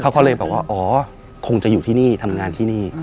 เขาก็เลยบอกว่าอ๋อคงจะอยู่ที่นี่ทำงานที่นี่